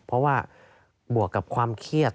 เพราะว่าบวกกับความเครียด